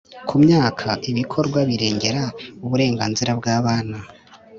ku myaka, ibikorwa birengera uburenganzira bw'abana,